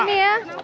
terima kasih mbak